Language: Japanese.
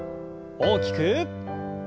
大きく。